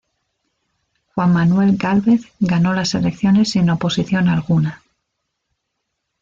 Juan Manuel Gálvez ganó las elecciones sin oposición alguna.